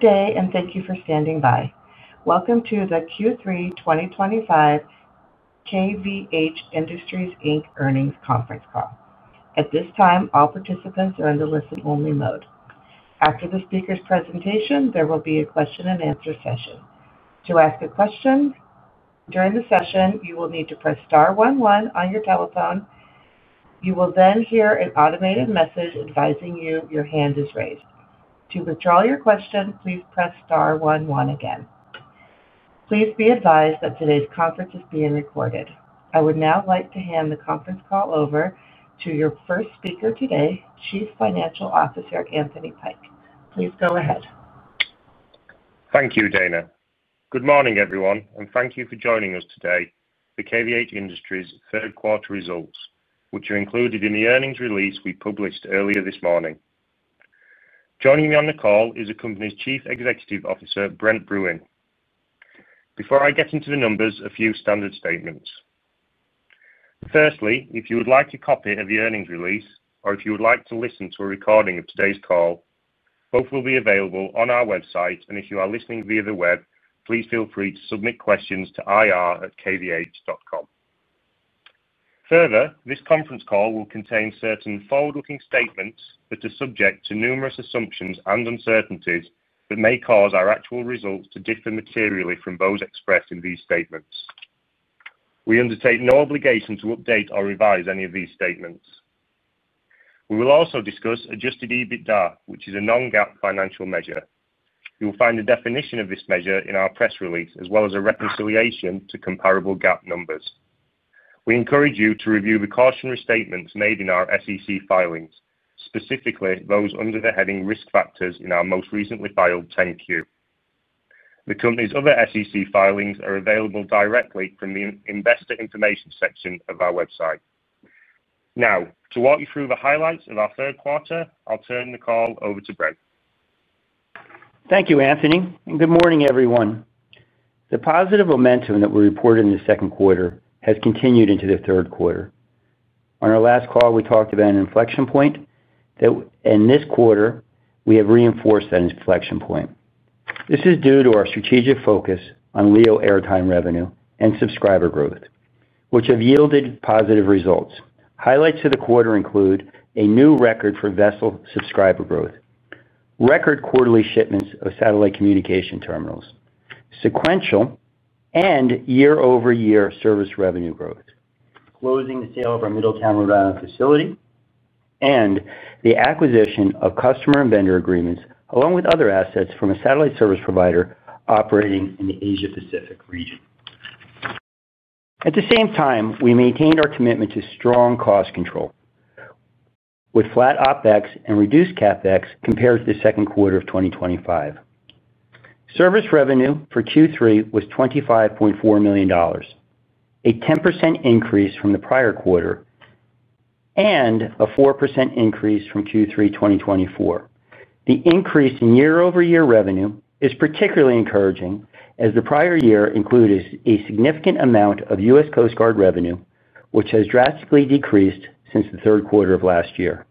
Good day, and thank you for standing by. Welcome to the Q3 2025 KVH Industries Earnings Conference Call. At this time, all participants are in the listen-only mode. After the speaker's presentation, there will be a question-and-answer session. To ask a question during the session, you will need to press star one one on your telephone. You will then hear an automated message advising you your hand is raised. To withdraw your question, please press Star 1 1 again. Please be advised that today's conference is being recorded. I would now like to hand the conference call over to your first speaker today, Chief Financial Officer Anthony Pike. Please go ahead. Thank you, Dana. Good morning, everyone, and thank you for joining us today for KVH Industries' third-quarter results, which are included in the earnings release we published earlier this morning. Joining me on the call is the company's Chief Executive Officer, Brent Bruun. Before I get into the numbers, a few standard statements. Firstly, if you would like a copy of the earnings release or if you would like to listen to a recording of today's call, both will be available on our website, and if you are listening via the web, please feel free to submit questions to ir@kvh.com. Further, this conference call will contain certain forward-looking statements that are subject to numerous assumptions and uncertainties that may cause our actual results to differ materially from those expressed in these statements. We undertake no obligation to update or revise any of these statements. We will also discuss adjusted EBITDA, which is a non-GAAP financial measure. You will find a definition of this measure in our press release, as well as a reconciliation to comparable GAAP numbers. We encourage you to review the cautionary statements made in our SEC filings, specifically those under the heading "Risk Factors" in our most recently filed 10-Q. The company's other SEC filings are available directly from the Investor Information section of our website. Now, to walk you through the highlights of our third quarter, I'll turn the call over to Brent. Thank you, Anthony, and good morning, everyone. The positive momentum that we reported in the second quarter has continued into the third quarter. On our last call, we talked about an inflection point. This quarter, we have reinforced that inflection point. This is due to our strategic focus on LEO Airtime revenue and subscriber growth, which have yielded positive results. Highlights of the quarter include a new record for vessel subscriber growth, record quarterly shipments of satellite communication terminals, sequential and year-over-year service revenue growth, closing the sale of our Middletown, Rhode Island facility, and the acquisition of customer and vendor agreements, along with other assets from a satellite service provider operating in the Asia-Pacific region. At the same time, we maintained our commitment to strong cost control, with flat OPEX and reduced CAPEX compared to the second quarter of 2025. Service revenue for Q3 was $25.4 million, a 10% increase from the prior quarter. It was a 4% increase from Q3 2024. The increase in year-over-year revenue is particularly encouraging as the prior year included a significant amount of US Coast Guard revenue, which has drastically decreased since the third quarter of last year.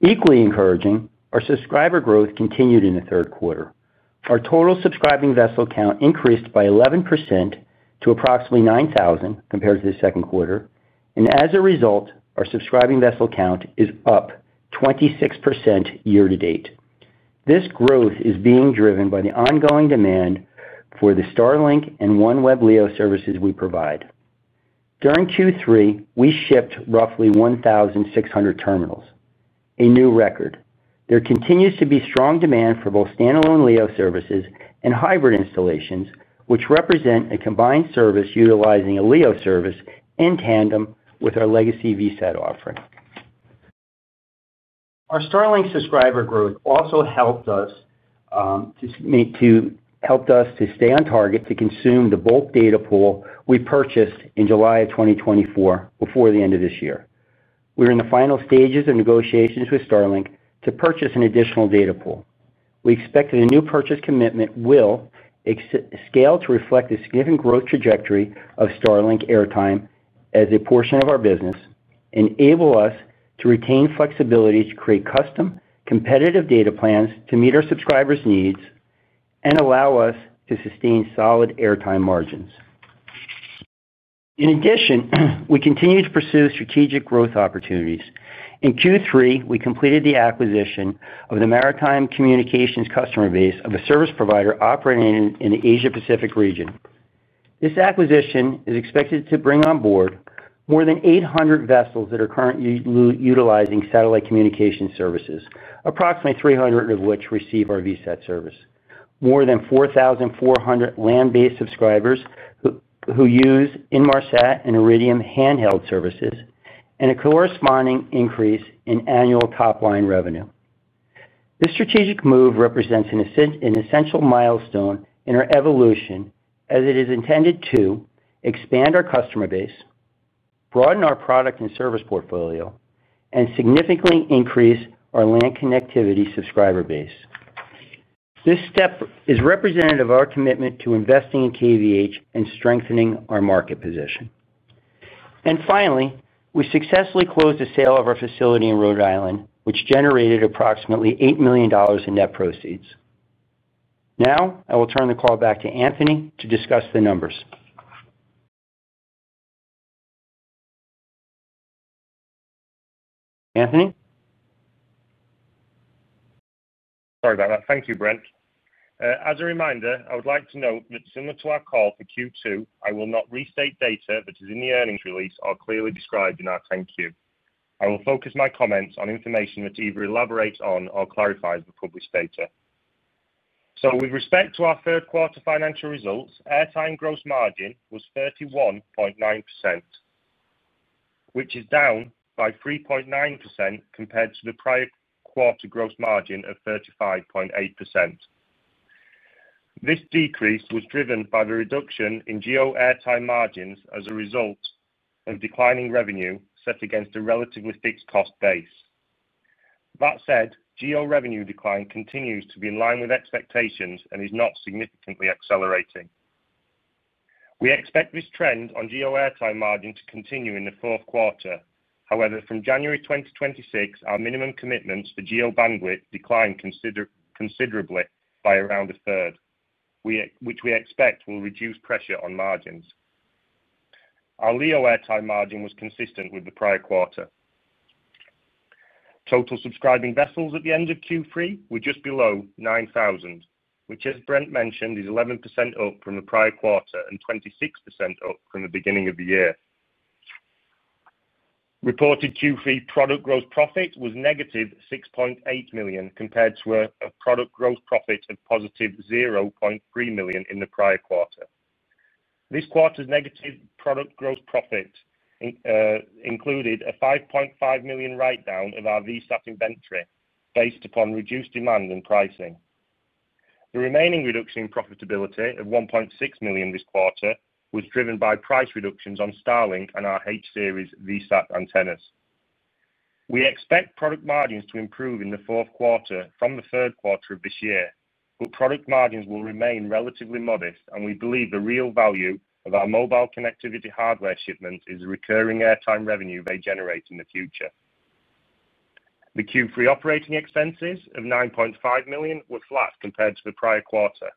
Equally encouraging, our subscriber growth continued in the third quarter. Our total subscribing vessel count increased by 11% to approximately 9,000 compared to the second quarter, and as a result, our subscribing vessel count is up 26% year-to-date. This growth is being driven by the ongoing demand for the Starlink and OneWeb LEO services we provide. During Q3, we shipped roughly 1,600 terminals, a new record. There continues to be strong demand for both standalone LEO services and hybrid installations, which represent a combined service utilizing a LEO service in tandem with our legacy VSAT offering. Our Starlink subscriber growth also helped us. To help us to stay on target to consume the bulk data pool we purchased in July of 2024 before the end of this year. We're in the final stages of negotiations with Starlink to purchase an additional data pool. We expect that a new purchase commitment will scale to reflect the significant growth trajectory of Starlink airtime as a portion of our business and enable us to retain flexibility to create custom, competitive data plans to meet our subscribers' needs and allow us to sustain solid airtime margins. In addition, we continue to pursue strategic growth opportunities. In Q3, we completed the acquisition of the maritime communications customer base of a service provider operating in the Asia-Pacific region. This acquisition is expected to bring on board more than 800 vessels that are currently utilizing satellite communication services, approximately 300 of which receive our VSAT service, more than 4,400 land-based subscribers who use Inmarsat and Iridium handheld services, and a corresponding increase in annual top-line revenue. This strategic move represents an essential milestone in our evolution as it is intended to expand our customer base, broaden our product and service portfolio, and significantly increase our land connectivity subscriber base. This step is representative of our commitment to investing in KVH and strengthening our market position. Finally, we successfully closed the sale of our facility in Rhode Island, which generated approximately $8 million in net proceeds. Now, I will turn the call back to Anthony to discuss the numbers. Anthony? Sorry about that. Thank you, Brent. As a reminder, I would like to note that similar to our call for Q2, I will not restate data that is in the earnings release or clearly described in our 10-Q. I will focus my comments on information that either elaborates on or clarifies the published data. With respect to our third-quarter financial results, airtime gross margin was 31.9%, which is down by 3.9% compared to the prior quarter gross margin of 35.8%. This decrease was driven by the reduction in GEO airtime margins as a result of declining revenue set against a relatively fixed cost base. That said, GEO revenue decline continues to be in line with expectations and is not significantly accelerating. We expect this trend on GEO airtime margin to continue in the fourth quarter. However, from January 2026, our minimum commitments for GEO bandwidth declined considerably by around a third, which we expect will reduce pressure on margins. Our LEO airtime margin was consistent with the prior quarter. Total subscribing vessels at the end of Q3 were just below 9,000, which, as Brent mentioned, is 11% up from the prior quarter and 26% up from the beginning of the year. Reported Q3 product gross profit was -$6.8 million compared to a product gross profit of positive $0.3 million in the prior quarter. This quarter's negative product gross profit included a $5.5 million write-down of our VSAT inventory based upon reduced demand and pricing. The remaining reduction in profitability of $1.6 million this quarter was driven by price reductions on Starlink and our H-series VSAT antennas. We expect product margins to improve in the fourth quarter from the third quarter of this year, but product margins will remain relatively modest, and we believe the real value of our mobile connectivity hardware shipments is the recurring airtime revenue they generate in the future. The Q3 operating expenses of $9.5 million were flat compared to the prior quarter.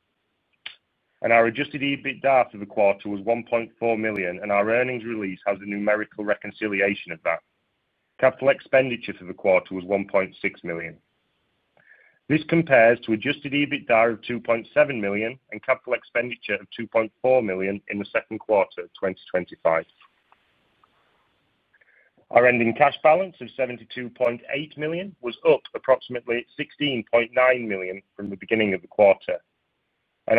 Our adjusted EBITDA for the quarter was $1.4 million, and our earnings release has a numerical reconciliation of that. Capital expenditure for the quarter was $1.6 million. This compares to adjusted EBITDA of $2.7 million and capital expenditure of $2.4 million in the second quarter of 2025. Our ending cash balance of $72.8 million was up approximately $16.9 million from the beginning of the quarter.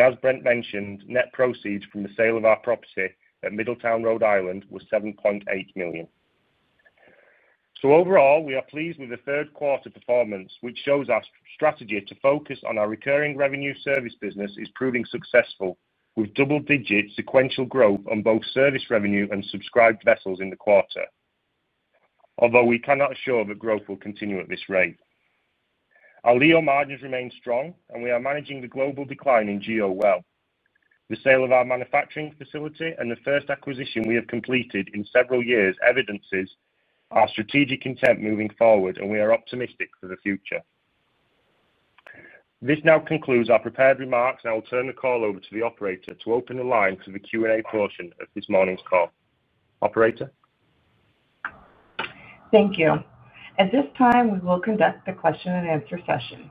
As Brent mentioned, net proceeds from the sale of our property at Middletown, Rhode Island, was $7.8 million. Overall, we are pleased with the third-quarter performance, which shows our strategy to focus on our recurring revenue service business is proving successful, with double-digit sequential growth on both service revenue and subscribed vessels in the quarter. Although we cannot assure that growth will continue at this rate. Our LEO margins remain strong, and we are managing the global decline in GEO well. The sale of our manufacturing facility and the first acquisition we have completed in several years evidences our strategic intent moving forward, and we are optimistic for the future. This now concludes our prepared remarks, and I'll turn the call over to the operator to open the line for the Q&A portion of this morning's call. Operator. Thank you. At this time, we will conduct the question-and-answer session.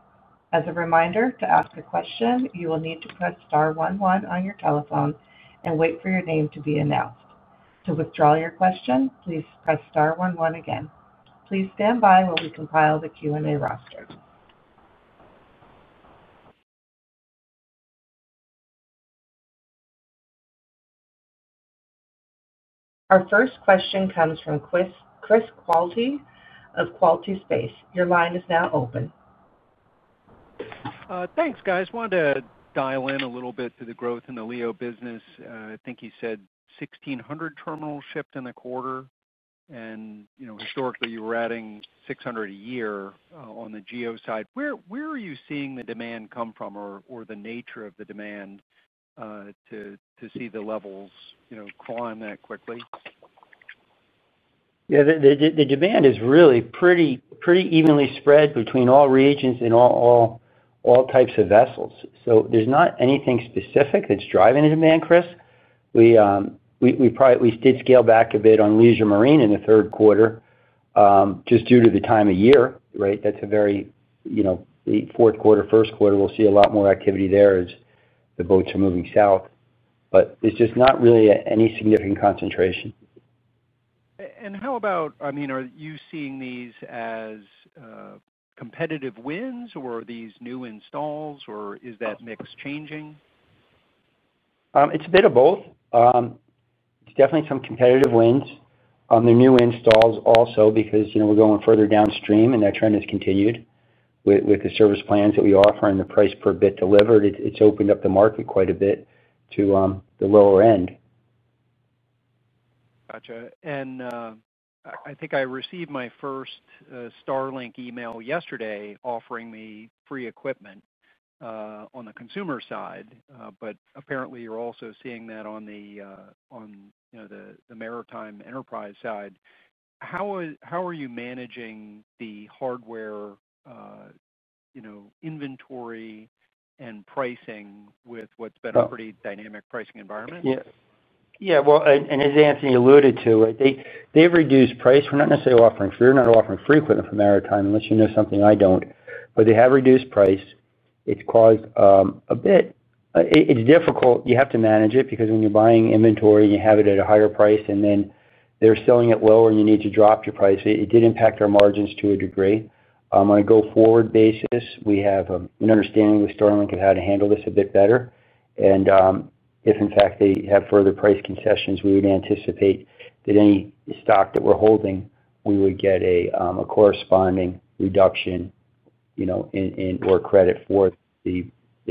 As a reminder, to ask a question, you will need to press star one one on your telephone and wait for your name to be announced. To withdraw your question, please press star one one again. Please stand by while we compile the Q&A roster. Our first question comes from Chris Quilty of Quilty Space. Your line is now open. Thanks, guys. I wanted to dial in a little bit to the growth in the LEO business. I think you said 1,600 terminals shipped in the quarter, and [historically], you were adding 600 a year on the GEO side. Where are you seeing the demand come from or the nature of the demand. To see the levels climb that quickly? Yeah, the demand is really pretty evenly spread between all regions and all types of vessels. So there's not anything specific that's driving the demand, Chris. We did scale back a bit on Leisure Marine in the third quarter just due to the time of year, right? That's a very fourth quarter, first quarter, we'll see a lot more activity there as the boats are moving south. But there's just not really any significant concentration. I mean, are you seeing these as competitive wins or are these new installs or is that mix changing? It's a bit of both. It's definitely some competitive wins on the new installs also because we're going further downstream and that trend has continued with the service plans that we offer and the price per bit delivered. It's opened up the market quite a bit to the lower end. Gotcha. I think I received my first Starlink email yesterday offering me free equipment. On the consumer side, but apparently you're also seeing that on the maritime enterprise side. How are you managing the hardware inventory and pricing with what's been a pretty dynamic pricing environment? Yeah. As Anthony alluded to, they've reduced price. We're not necessarily offering free, we're not offering free equipment for maritime unless you know something I don't. They have reduced price. It's caused a bit, it's difficult. You have to manage it because when you're buying inventory and you have it at a higher price and then they're selling it lower and you need to drop your price, it did impact our margins to a degree. On a go-forward basis, we have an understanding with Starlink of how to handle this a bit better. If, in fact, they have further price concessions, we would anticipate that any stock that we're holding, we would get a corresponding reduction or credit for the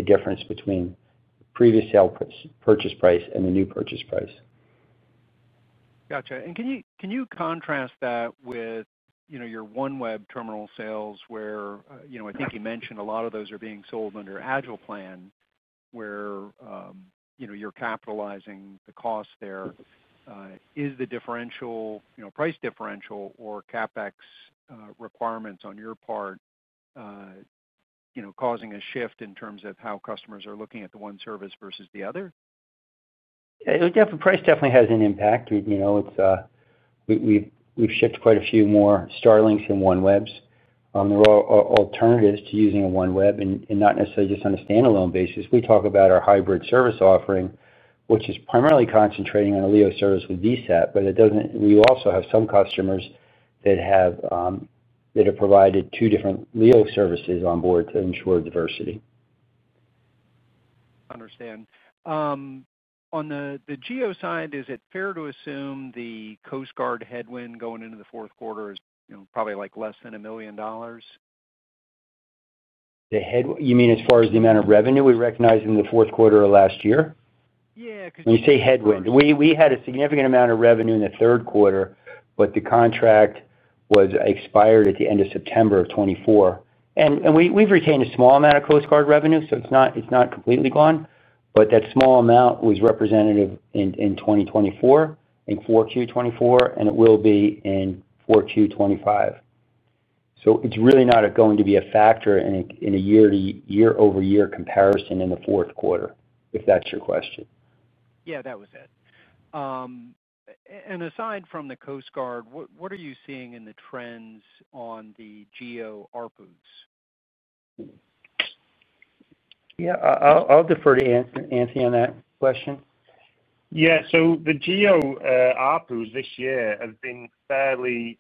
difference between the previous purchase price and the new purchase price. Got you. Can you contrast that with your OneWeb terminal sales where I think you mentioned a lot of those are being sold under agile plan? Where you're capitalizing the cost there? Is the differential, price differential or CAPEX requirements on your part causing a shift in terms of how customers are looking at the one service versus the other? Yeah. Price definitely has an impact. We've shipped quite a few more Starlinks and OneWebs. There are alternatives to using a OneWeb and not necessarily just on a standalone basis. We talk about our hybrid service offering, which is primarily concentrating on a LEO service with VSAT, but we also have some customers that have provided two different LEO services on board to ensure diversity. Understand. On the GEO side, is it fair to assume the Coast Guard headwind going into the fourth quarter is probably like less than $1 million? You mean as far as the amount of revenue we recognize in the fourth quarter of last year? Yeah. When you say headwind, we had a significant amount of revenue in the third quarter, but the contract was expired at the end of September of 2024. We've retained a small amount of Coast Guard revenue, so it's not completely gone, but that small amount was representative in 2024, in Q4 2024, and it will be in Q4 2025. It is really not going to be a factor in a year-over-year comparison in the fourth quarter, if that's your question. Yeah, that was it. Aside from the Coast Guard, what are you seeing in the trends on the GEO ARPUs? Yeah. I'll defer to Anthony on that question. Yeah. The GEO ARPUs this year have been fairly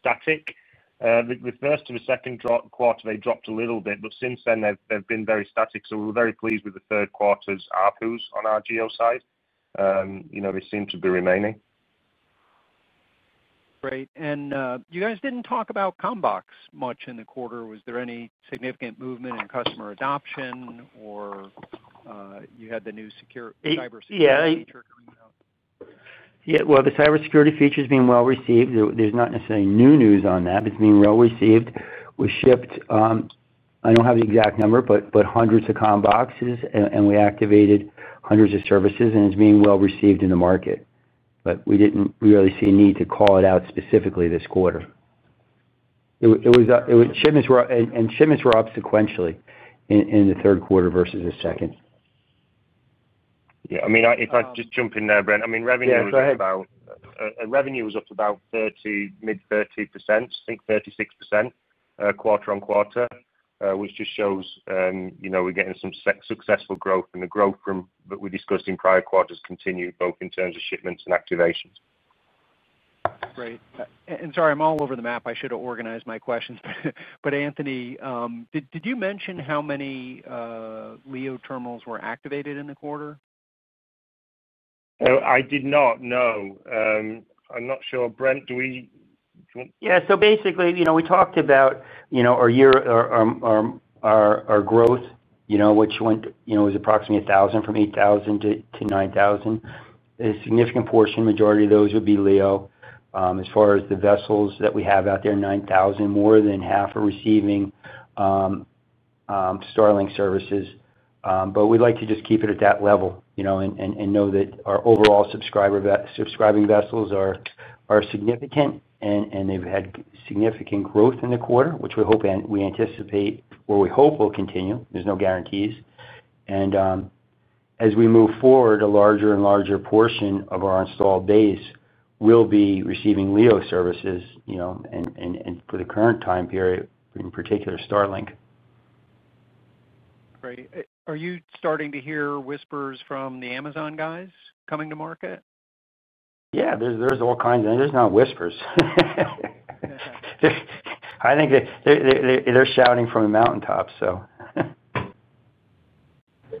static. The first and the second quarter, they dropped a little bit, but since then, they've been very static. We are very pleased with the third quarter's ARPUs on our GEO side. They seem to be remaining. Great. You guys did not talk about CommBox much in the quarter. Was there any significant movement in customer adoption, or you had the new cybersecurity feature coming out? Yeah. The cybersecurity feature has been well received. There's not necessarily new news on that, but it's been well received. We shipped, I don't have the exact number, but hundreds of CommBox's units, and we activated hundreds of services, and it's being well received in the market. We didn't really see a need to call it out specifically this quarter. Shipments were up sequentially in the third quarter versus the second. Yeah. I mean, if I just jump in there, Brent, I mean, revenue was up about. Yeah, go ahead. Revenue was up about 30, mid-30%, I think 36% quarter-on-quarter, which just shows we're getting some successful growth, and the growth that we discussed in prior quarters continued both in terms of shipments and activations. Great. Sorry, I'm all over the map. I should have organized my questions. Anthony, did you mention how many LEO terminals were activated in the quarter? I did not, no. I'm not sure. Brent, do we? Yeah. So basically, we talked about our growth, which went was approximately 1,000 from 8,000-9,000. A significant portion, majority of those would be LEO. As far as the vessels that we have out there, 9,000, more than half are receiving Starlink services. We'd like to just keep it at that level and know that our overall subscribing vessels are significant, and they've had significant growth in the quarter, which we anticipate or we hope will continue. There's no guarantees. As we move forward, a larger and larger portion of our installed base will be receiving LEO services. For the current time period, in particular, Starlink. Great. Are you starting to hear whispers from the Amazon guys coming to market? Yeah. There is all kinds of—there is not whispers. I think they are shouting from the mountaintops, so.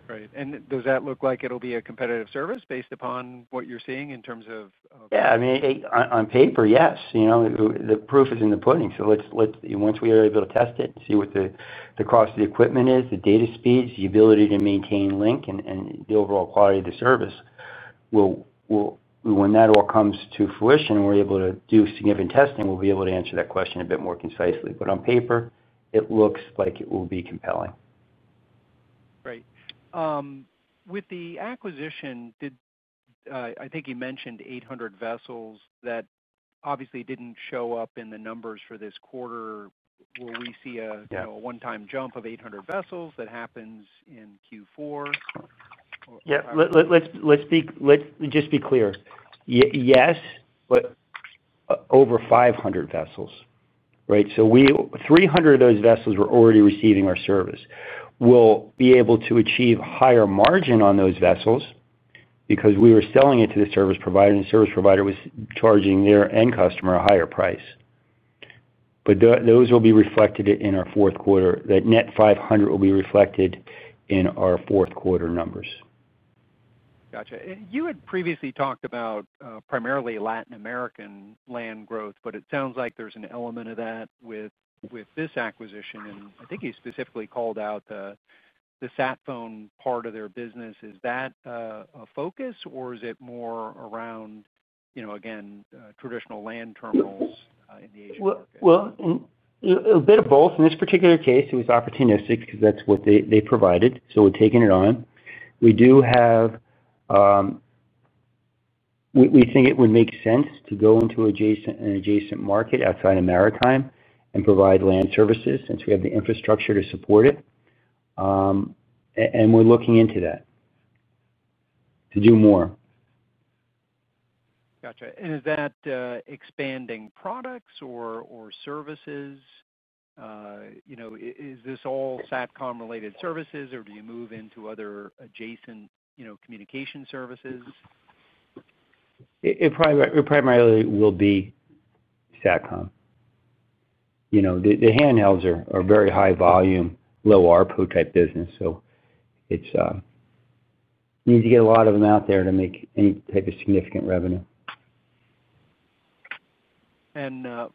Great. Does that look like it'll be a competitive service based upon what you're seeing in terms of? Yeah. I mean, on paper, yes. The proof is in the pudding. Once we are able to test it, see what the cost of the equipment is, the data speeds, the ability to maintain link, and the overall quality of the service. When that all comes to fruition and we're able to do significant testing, we'll be able to answer that question a bit more concisely. On paper, it looks like it will be compelling. Great. With the acquisition. I think you mentioned 800 vessels that obviously did not show up in the numbers for this quarter. Will we see a one-time jump of 800 vessels that happens in Q4? Yeah. Let's just be clear. Yes, but over 500 vessels, right? So 300 of those vessels were already receiving our service. We'll be able to achieve higher margin on those vessels because we were selling it to the service provider, and the service provider was charging their end customer a higher price. Those will be reflected in our fourth quarter. That net 500 will be reflected in our fourth quarter numbers. Got you. You had previously talked about primarily Latin American land growth, but it sounds like there's an element of that with this acquisition. I think you specifically called out the [SAT phone] part of their business. Is that a focus or is it more around, again, traditional land terminals in the Asian market? In this particular case, it was opportunistic because that's what they provided. So we've taken it on. We do have. We think it would make sense to go into an adjacent market outside of maritime and provide land services since we have the infrastructure to support it. And we're looking into that. To do more. Got you. Is that expanding products or services? Is this all SATCOM-related services or do you move into other adjacent communication services? It primarily will be SATCOM. The handhelds are very high volume, low ARPU type business. You need to get a lot of them out there to make any type of significant revenue.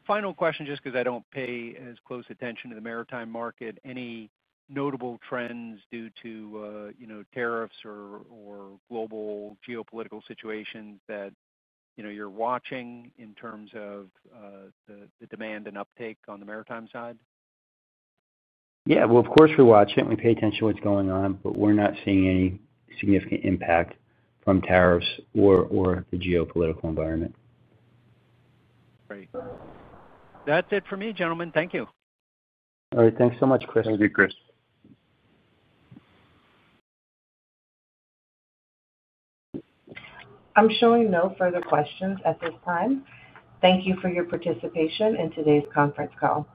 Final question, just because I don't pay as close attention to the maritime market, any notable trends due to tariffs or global geopolitical situations that you're watching in terms of the demand and uptake on the maritime side? Yeah. Of course, we watch it. We pay attention to what's going on, but we're not seeing any significant impact from tariffs or the geopolitical environment. Great. That's it for me, gentlemen. Thank you. All right. Thanks so much, Chris. Thank you, Chris. I'm showing no further questions at this time. Thank you for your participation in today's conference call.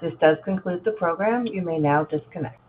This does conclude the program. You may now disconnect.